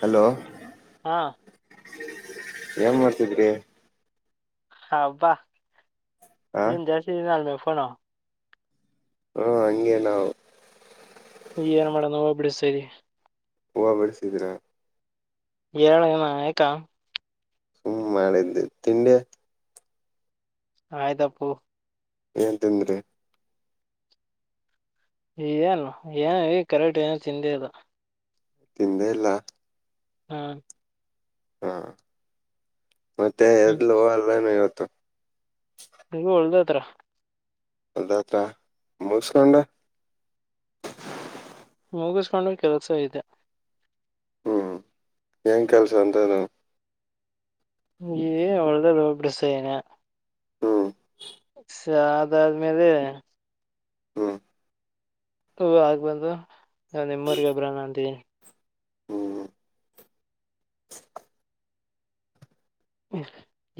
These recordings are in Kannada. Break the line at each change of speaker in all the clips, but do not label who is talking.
ಹಲೋ
ಹಾ
ಏನ್ ಮಾಡ್ತಿದ್ರಿ
ಹಬ್ಬಾ
ಆ
ನಿಏ ಜಸ ನ ಪ್ಪಣ
ಹಾ ಹಂಗೇ ನಾವು
ಏನ್ ಮಾಡೋಣ ಹೋಗ್ಬಿಡಿ ಸರಿ
ಹೂ ಬಡಸಿದ್ರ
ಎಏರಳೇನಾ ಯಯಕಾ
ಹ್ಮ ಮಾಡಿದ್ದೆ ತಿಂಡಿ
ಆಯ್ತಪ್ಪು
ಏನ್ ತಿಂದ್ರಿ
ಏನು ಏನು ಈ ಕರೆಕ್ಟ್ ಏನು ತಿಂದೆ ಅದು
ತಿಂದೇ ಇಲ್ಲ
ಹ್ಮ
ಹಾ ಮತ್ತೆ
ಹ್ಮ್
ಎತ್ಲ ಹೋಗಲ್ವೇನು ಇವತ್ತು ಹತ್ತು
ಕತ್ರ
ಅದಾತ್ರಂಬಸ್ಕೊಂಡ
ಮುಗಿಸ್ಕೊಂಡು ಕೆಲಸ ಇದೆ
ಹ್ಮ್ ಹೆಂಗ ಕೆಲ್ಸ ಅಂತ ನ
ಅವಳದ ರೋಬಡಸ ಏನ
ಹ್ಮ
ಸ ಅದಾದ್ಮೇಲೆ
ಹ್ಮ್
ಹ ಆಗ ಬಂದು ನಾ ನಿಮ್ಮೂರಿಗೊಬ್ರ ನಾಣಂತೀನಿ
ಹ್ಮ್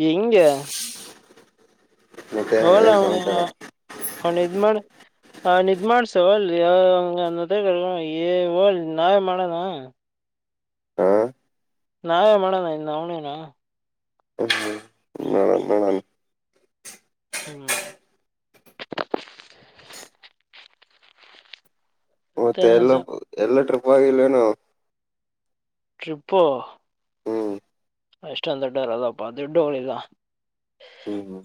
ಹೆಂಗ
ಮತ್ತೆ ಏ ಸಂತರ
ಹ ನಿದ್ ಮಾಡ ನಿದ್ ಮಾಡ್ಸ ಹೊಲ್ಂಗ ಹ ನಾವೇ ಮಾಡಣ [unintelligible]
ಹಾ
ನಾವೇ ಮಾಡೋಣ ಇನ್ ಅವನೇನಾ
ಹ್ಮ್ ನೋಡಣ ನೋಡಣ
ಹ್ಮ್
ಮತ್ತೆ ಎಲ್ಲ ಎಲ್ಲ ಟ್ರಿಪ್ ಹೋಗಿಲೇನು
ಟ್ರಿಪು
ಹ್ಮ್
ಅಷ್ಟೊಂದ ದೊಡ್ಡರ ಅದಪ್ಪಾ ದದುಡ್ಡೋಳಗ
ಹ್ಮ್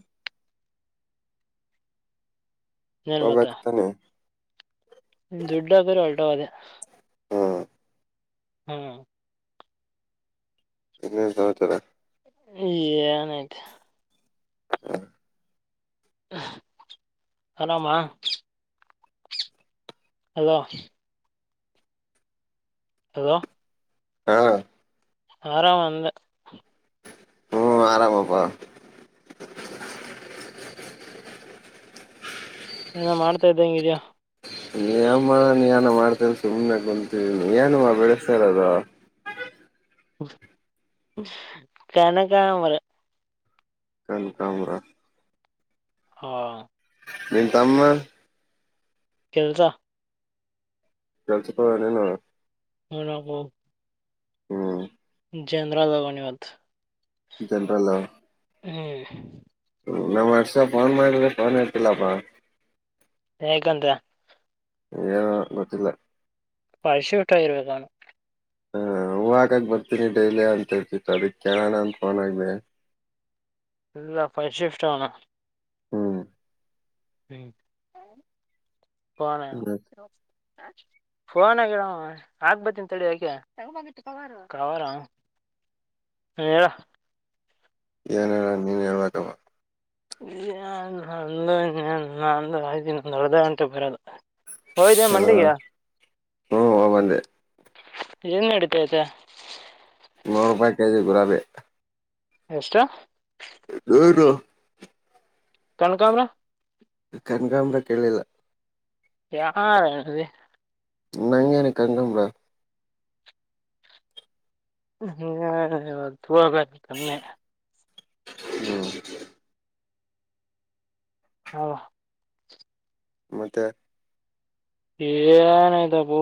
ಹಬಾಗತಾನೆ
ದುಡ್ಡರ ಹೊಲ್ಟ ಅದೆೇ
ಹ್ಮ್
ಹ್ಮ್
ಇನ್ನೇನ್ ಸಮಾಚಾರ
ನತ ಹಲಾಮಾ ಹಲೋ ಹದು
ಹಾ
ಆರಾಮ ಅಂದ
ಹ್ಮ್ ಆರಾಮಪ್ಪಾ
ಏನ ಮಾಡ್ತಾ ಇದ್ದ ಹಂಗಿದಯ
ಏನ್ ಮಾಡ ನೀ ಏನ ಮಾಡ್ತರ ಸುಮ್ನೆ ಕುಂತನಿ ಏನು ಬೆಳೆಸ್ತರದ
ಕನಕ ಮರ
ಕನಕಾಂಬ್ರ
ಹಾ
ನಿ ತಮ್ಮ
ಟಿಲ್ಕ
ಕೆಳಸಪ ನನ [unintelligible]
[unintelligible]
ಹ್ಮ್
ಜನರಲ್ ಅವನಿವತ್
ಜನರಲ್
ಹ್ಮ್
ನಮ್ಮ್ ವರ್ಷ ಫೋನ್ ಮಾಡಿದ್ರೆ ಫೋನ್ ಹೇತಿಲ್ಲಪ್ಪ
ಹೆಂಗಂಡ್ರೆ
ಏನೋ ಗೊತ್ತಿಲ್ಲ
ಪಳಶೂಟ್ಟ ಆಯುರ್ವೇದಾನ
ಹ ಹೂವಾಗಾಗ ಬರ್ತೀನಿ ಡೈಲಿ ಅಂತ ಹೇಳ್ತಿ ಅದಿ ಕೇಳೋಣ ಅಂದ ಫೋನ್ ಆಗಬೇಕ
ಇಲ್ಲಫೈ ಶಿಫ್ಟ್ ಆಣ
ಹ್ಮ್
ಹ್ಮ್
ಮತ್ತ್
ಹನ [unintelligible] ಅಕ್ಬಥಿನಿ ಇರು ಯಾಕೆ ಕವರ್ ಆಹ್ ಹೂ ಹೇಳೋ
ಏನ್ ಹೇಳೋದು ನೀವೇ ಹೇಳಬೇಕಾಪ
ನಂದು ನಂದು ಆಯ್ತು ನಂದು ಅರ್ಧ ಗಂಟೆಗೆ ಬರದು
ಹ ಹ್ಮ ಹೋಗ್ಬಂಧೆ
ಏನ್ ನಡೀತ ಆಯ್ತಾ
ಗರಾವೇ
ಎಷ್ಟ
ಹನು [unintelligible]
ಕನಕಾಮರ
ಕನಗಾಂಬ್ರ ಕೇಳಲಿಲ್ಲ
ಯಾರದೆ [unintelligible]
ನಂಗೇನುಕ್ಕೆ ಕನಕಾಂಬರ
ಹ್ಮ್ ಆಗತ್ತು ತನೆ
ಹ್ಮ
ಹಾ
ಮತ್ತೆ
ಏನ ಇದ ಬೂ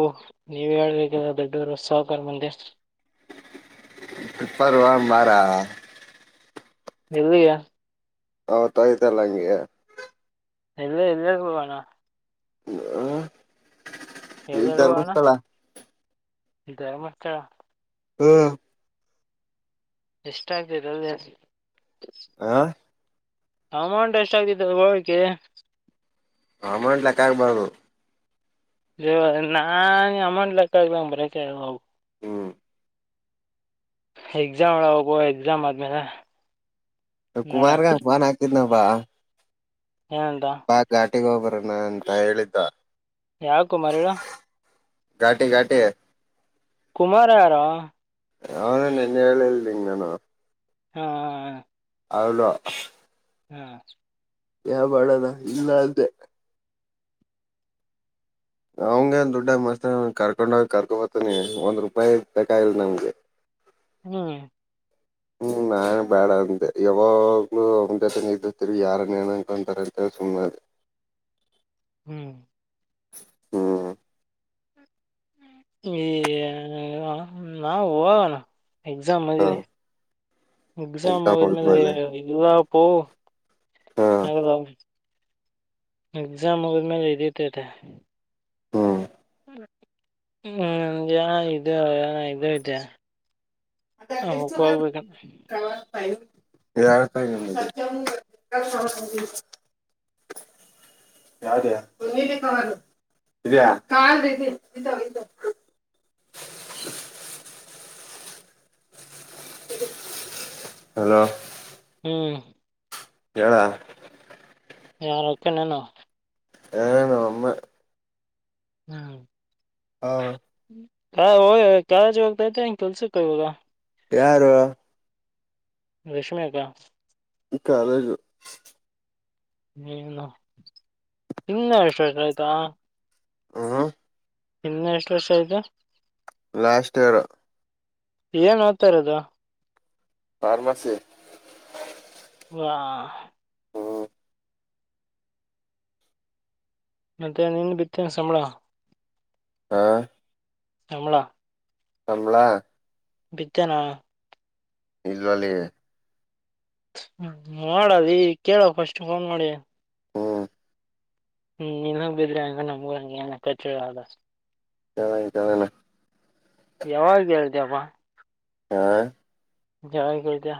ನೀವ್ ಹೇಳ್ಬೇಕಲ್ಲ ದೊಡ್ಡವರು ಸಾವಕಾರ್ ಮಂಧಿ
ಇಪ್ಪಾರರುವ ಮಾರಾ
ಎಲ್ಲಿಯಾ
ಅವತ್ತು ಆಗಿತಲಾ ಹಂಗೆ
ಎಲ್ಲ ಎಲ್ಲಕ್ಕ ಬಣ
ಆ
ಎದಡು ಬಣ ಇೇ ಮತ
ಹ್ಮ್
ಎಷ್ಟ ಆಗರಲ್ಲ
ಆ
ಅಮೌಂಟ್ ಎಷ್ಟಾಗಗ್ತಿದೆ ಹಕ್ಕೆೆ
ಅಮೌಂಟ್ ಲೆಕ್ಕ ಆಗ್ಬಾರದು
ನಾನ್ ಅಮೌಂಟ್ ಲೆಕ್ಕ ಆಗ್ಲಂಗ ಬರಕ್ಕೆ ಹಾಗಲ್ಲ ಹೋಗು
ಹ್ಮ್
ಎಕ್ಸಾಮ್ ಒಳ ಹೋಗುವ ಎಕ್ಸಾಮ್ ಆದ್ಮೇಲೆ
ಕುಮಾರ
ನೋಡೋಣ
ಫೋನ್ ಆಗ್ತಿದ್ದ ಬಾ
ಏನ ಅಂದ
ಟ್ಟಿ ಗೋಬರನ ಅಂತ ಹೇಳಿದ್ದ
ಯಾವ ಕುಮಾರ್
ಘಾಟಿ ಘಾಟಿ
ಕುಮಾರ ಯಾರೋ
ನಿನ್ನ ಹೇಳಿಲ್ಲ ನಿಂಗೆ ನಾನು
ಹ್ಮ ಹ
ಅವಳು
ಹ್ಮ
ಹೇಳಬೇಡ ಇಲ್ಲ ಅಂದೆ ಅವಂಗ ದುಡ್ಡಾಗ ಮಸ್ತ ಅದ್ ಕರ್ಕೊಂಡ ಹೋಗಿ ಕರಕೊಂಡ ಬರತಾನೆ ಒಂದ್ ರೂಪಾಯಿ ಬೇಕಾಗಿಲ್ಲನಂಗೆ
ಹ
ಹ್ಮ್ ನಾನ್ ಬ್ಯಾಡ ಅಂದೆ ಯಾವಾಗ್ಲೂ ಅವನ ಜೊತೆ ಇದ್ದು ಯಾರನ್ ಏನಕಂತಾರ ಅಂತ ಹೇಳಿ ಸುಮ್ಮ್ ಆದೆ
ಹ್ಮ್
ಹ್ಮ
ಏ ನಾವು ಎಕ್ಸಾಮ್
ಹ
ಮುಗಿಲಿ ಎಕ್ಸಾಮ್ ಮುಗುದ್ಮೇಲೆ ಇದ ಓಹೋ
ಹ
ಹೌದ ಎಕ್ಸಾಮ್ ಮುಗುದ್ಮೇಲೆ ಇದೆತಿತೆ
ಹ್ಮ
ಹ್ಮ್ನ್ ಇ ಇದ ಇದತೆ [unintelligible] ಹಾ ಹಕ್ಕೋಗ್ಬೇಕಂತ [unintelligible]
ಹೇಳ್ತಾ [unintelligible] ಹಲೋ
ಹ್ಮ್
ಹೇಳ
ಯಾರ ಹಾಕಿನೆ ಅನು
ಹ ನಮ್ಮ ಅಮ್ಮ
ಹ್ಮ್
ಹ
ಕಾ ಹ ಕಾಲೇಜು ಹೋಗ್ತ ತೈತೆ ಹೆಂಗೆ ಕೆಲಸಕ್ಕೆ ಇವಾಗ
ಯಾರು
ರೇಷ್ಮೆ ಅಕ್ಕ
ಕಾಲೇಜು
ಏನು ನಿನ್ನ ಎಷ್ಟ ಆಯ್ತಾ
ಹ
ಇನ್ನ ಎಷ್ಟು ವರ್ಷ ಐತಿ
ಲಾಸ್ಟ್ ಇಯರ್
ಏನ್ ಓದತಾ ಇರೋದು
ಫಾರ್ಮಸಿ
ಹಾ
ಹ್ಮ್
ಮತ್ತೆ ನಿನ್ ಬಿತ್ತ ಏನ ಸಂಬಳ
ಹಾ
ಸಂಬಳ
ಸಂಬಳ
ಬಿತ್ಯಾನ
ಇಲ್ಲಲೆ
ಮಾಡದೆ ಕೇಳ ಫಸ್ಟ್ ಫೋನ್ ಮಾಡಿ
ಹ್ಮ್
ಹ್ಮ್ ನೀನ್ಗ ಬಿಡ್ಲೆ ಹಂಗ ನಮ್ಗೂ ಹಂಗೆ ಅನಕೂತರಲ
ಚನ್ನಾಗಿ ಚನ್ನಲ್ಲ [inaudible]
ಯಾವಾಗ ಹೇಳ್ದಿಪ
ಹಾ
ಜಾಗಿದ್ಯ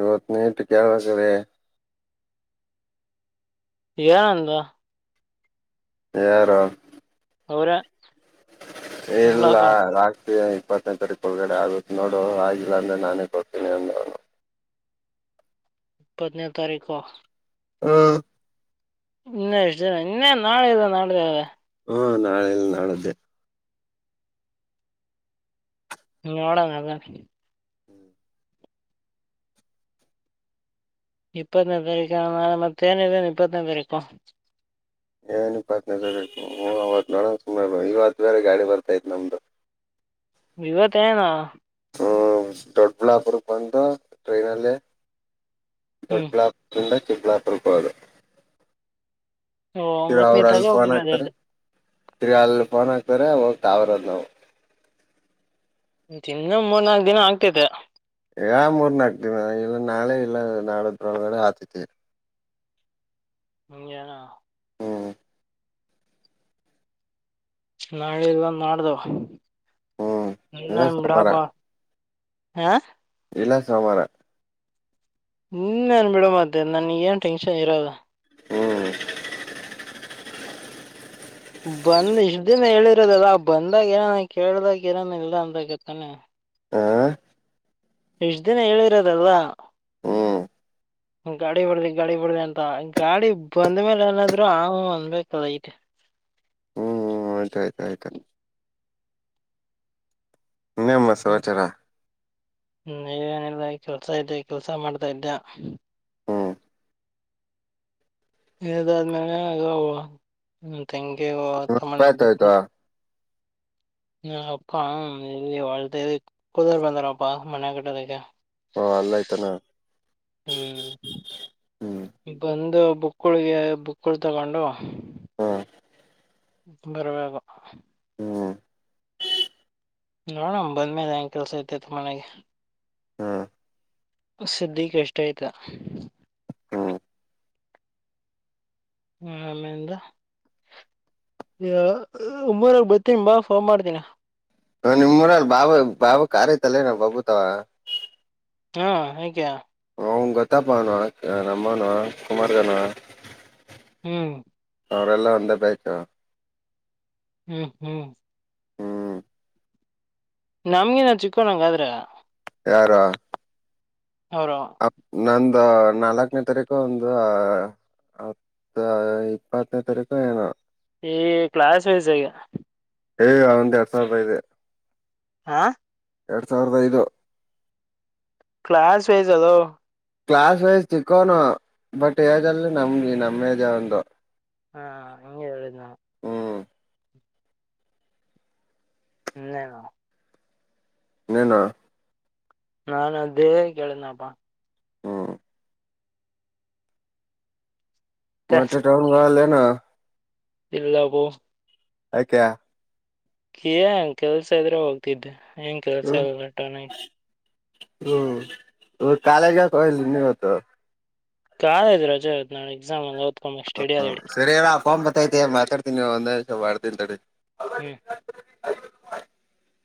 ಇವತ್ತು ನೈಟ್ ಕೇಳ್ಕೊತಿನಿ
ಏನಂದ
ಯಾರು
ಅವರೆ
ಇಲ್ಲ ರಾ ಈಗ ಇಪ್ಪತ್ತನೆ ತಾರೀಕು ಒಳಗಡೆ ಆಗುತ್ತ ನೋಡು ಆಗಿಲ್ಲ ಅಂದ್ರೆ ನಾನೇ ಕೊಡ್ತೀನಿ ಅಂದ ಅವನು
ಇಪ್ಪತ್ತನೆ ತಾರೀಕು
ಹ್ಮ
ಇನ್ನ ಎಸ್ಟದಿನ ಇನ್ನೆನ ನಾಳೆ ಇಲ್ಲ ನಾಡದ್
ಹಾ ನಾಳೆ ಇಲ್ಲ ನಾಡದ್ದೆ
ಹ ನೋಡೋಣ ಅದರೆ
ಹ್ಮ್
ಇಪ್ಪತ್ತನೇದ ತಾರೀಕ ಆಗಲ್ಲ ಮತ್ತೆನಿದ್ದದ ಇಪ್ಪತ್ತನೇ ತಾರೀಕ
ಏನ ಇಪ್ಪತ್ತನೆ ತಾರೀಕ ಹ್ ಅವತ್ ನೋಡಮ್ ಸುಮಾರು ಐವತ್ತನೇ ಗಾಡಿ ಬರತೈತಿ ನಮ್ದು
ಇವತೆನು
ಹ್ಮ್ಮ್ ಸ ದೊಡ್ಡಬಳ್ಳಾಪುರಕ್ಕೆ ಬಂದು ಟ್ರೈನಲ್ಲೇ
ಹ್ಮ್
ದೊಡ್ಲ ತ [inaudible] ದೊಡ್ಡಬಳ್ಳಾಪುರಕ್ಕ್ ಬರದು
ಓ ಒಂಬತನೆ ಇದ್ದಾಗ ಹೋಗೀರೋದೆದ್ದ
ರೆ ಅಲ್ಲಿ ಫೋನ್ ಹಾಕ್ತಾರೆ ಹೋಗ ತಾಬರದ್ ನಾವು
ಮತ್ತ ಇನ್ನ ಮೂರ್ ನಾಕ ದಿನ ಆಗ್ತೈತೆ
ಯ ಮೂರ್ ನಾಕ್ದಿನ ಇಲ್ಲ ನಾಳೆ ಇಲ್ಲ ನಾಳದ್ರೊಳಗಡೆ ಆತೈತಿ
ಹ್ಮ್ ಗ್ಯ
ಹ್ಮ
ನಾಳೆ ಇಲ್ಲ ನಾಡ್ದ
ಹ್ಮ್ ಇಲ್ಲ
ಇನ್ನೇನ್
ಸೋಮವಾರ
ಬೀಡಾಪಾ ಹಾ
ಇಲ್ಲಾ ಸೋಮರ
ಹನೆನ್ ಬಿಡೋ ಮತ್ತ ನನ್ಗ ಏನ್ ಟೆನ್ಷನ್ ಇರಲ್ಲ
ಹ್ಮ
ಬಂದ್ ಇಷ್ಟ ದಿನ ಹೇಳಿರೋದಲ್ಲ ಬಂದಾಗ ಏನನ ಕೇಳ್ದಾಗ ಏನನ ಇಲ್ಲ ಅಂದಾಗ ತಾನೇ
ಆ
ಇಷ್ಟ ದಿನ ಹೇಳಿರೋದಲ್ವಾ
ಹ್ಮ್ಮ್ ಹ್ಮ್
ಗಾಡಿ ಬಿಡ್ರಿ ಗಾಡಿ ಬಿಡ್ರಿ ಅಂತ ಗಾಡಿ ಬಂದ್ಮೇಲೆ ಏನಾದ್ರು ಹ ಹ್ಮು ಅಂದಬೇಕಲ್ಲ ಇಟ್
ಹ ಆಯ್ತ ಆಯ್ತು ಇನೇನ ಮತ್ ಮಸಚಾರ
ಇನ್ನೆನಿಲ್ಲ ಕೆಲ್ಸ ಇದೆ ಕೆಲ್ಸ ಮಾಡ್ತಾ ಇದ್ದ್ಯಾ
ಹ್ಮು
ಇದಾದ್ಮೇಲೆ ಇದು ಅ ತಂಗಿ ದು
ನಿಮ್
ತಮ್ಮ
ಅಪ್ಪ
ನ ಒಬ್ಬ
ಎತ್ತೋಯ್ತು
ಕುಂತ್ ಹ ಅಪ್ಪ ಎಲ್ಲಿ ಕುದುರ್ ಬಂದಾರಪ್ಪಾ ಮನೆ ಕಟ್ಟೋದಕ್ಕೆ
ಓ ಅಲ್ಲಯ್ತಾನ
ಹ್ಮ್
ಹ್ಮ್
ಇದು ಬಂದು ಬುಕ್ಕಗಳಿಗೆ ಬುಕ್ಕಗಳು ತೊಗೊಂಡು
ಹಾ
ಬರ್ಬೇಕು
ಹ್ಮ್
ನೋಡಮ್ ಬಂದ್ಮೇಲೆ ಏನ್ ಕೆಲ್ಸ ಐತೆತ್ತು ಮನೆಗೆ
ಹಾ
ಸದ್ದಿಗ ಇಷ್ಟ ಆಯ್ತಾ
ಹ್ಮ್
ಹ ಆಮೇದ ಒಂಬರಾಗ ಬತ್ತೀಂಬಾ ಫೋನ್ ಮಾಡ್ತೀನ
ಹ ನಿಮ ಊರಲ್ಲಿ ಬಾಬ ಬಾಬು ಕಾರತಲ್ಲೇಏನ ಬಾಬು ತಾವ
ಹಾ ಐತೆ
ಅವನ್ ಗೊತ್ತಾಪ್ಪಾನುವ ನಮ್ಮಾನುವ ಕುಮಾರ್ಗಾನ
ಹ್ಮ್
ಅವರೆಲ್ಲ ಒಂದೇ ಬ್ಯಾಚ
ಹ್ಮ್ ಹ್ಮ್
ಹ್ಮ್
ನಮಗಿನ ಚಿಕ್ಕವನ ಆಗಾದ್ರ
ಯಾರ
ಅವರು
ಅ ನಂದ ಹ ನಾಲ್ಕನೇ ತಾರೀಕು ಒಂದು ಹ ಹತ್ತ ಇಪ್ಪತ್ತನೇ ತಾರೀಕು ಏನು
ಈಗ ಕ್ಲಾಸ್ ವೈಸ್ ಈಗ
ಹೇಗ ಒ ಒಂದ ಎರಡ್ ಸಾವಿರ ರೂಪಾಯಿ ಇದೆ
ಹಾ
ಎರಡ್ ಸಾವಿರದ ಐದು
ಕ್ಲಾಸ್ ವೇಸ ಅದೋ
ಕ್ಲಾಸ್ ವೈಸ್ ಚಿಕ್ಕೋನು ಬಟ್ ಏಜ್ ಅಲ್ಲಿ ನಮ್ದ ನಮ್ಮ ಏಜ ಅವಂದು
ಹ್ಮ ಹಂಗೆ ಹೇಳದ್ನ ಇನೇನು
ನೀನು
ನಾನು ಅದೇ ಕೇಳನಪ್ಪ
ಹ್ಮ್ ಮತ್ತೆ ಟೌನ್ ಗಾಲೆ ಹ
ಇಲ್ಲಬೋ
ಐಕೆ
ಕೇನ್ ಕೆಲ್ಸ ಇದ್ರೆ ಹೋಗ್ತಿದ್ದೆ. ಏಂಗೆ ಕೆಲಸ ಈಲ ಟೋನಾಗ್
ಹ್ಮ ಕಾಲೆಜ್ ಯಾಕ್ ಹೋಗಿಲ್ಲ ಇನ್ನೂ ಇವತ್ತು
ಕಾಲೇಜ್ ರಜೆ ಇವತ್ತ್ ನಾಳೆ ಎಕ್ಸಾಮ್ ಅಲ ಓದ್
ಹ ಸರಿಯಣ ಫೋನ್ ಬತ್ತೈತೆ ಮಾತಾಡ್ ಇರು ಒಂದೇ ನೀಮಿಷ ಮಾಡ್ತೀನ್ ತಡಿ.
ಹ್ಮ್
[unintelligible]